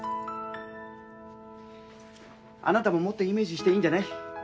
あなたももっとイメージしていいんじゃない？